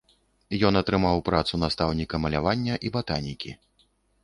Ён атрымаў працу настаўніка малявання і батанікі.